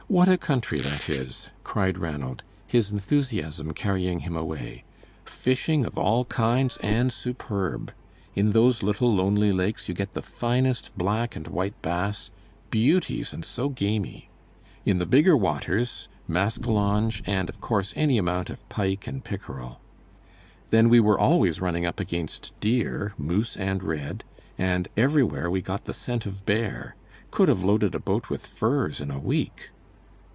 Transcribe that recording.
What a country that is!" cried Ranald, his enthusiasm carrying him away. "Fishing of all kinds and superb. In those little lonely lakes you get the finest black and white bass, beauties and so gamy. In the bigger waters, maskalonge and, of course, any amount of pike and pickerel. Then we were always running up against deer, moose and red, and everywhere we got the scent of bear. Could have loaded a boat with furs in a week."